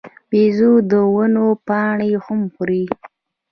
بیزو د ونو پاڼې هم خوري.